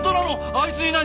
あいつに何？